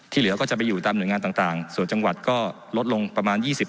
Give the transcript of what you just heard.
เหลือก็จะไปอยู่ตามหน่วยงานต่างส่วนจังหวัดก็ลดลงประมาณ๒๐